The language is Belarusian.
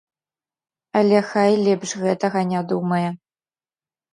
Але хай лепш гэтага не думае.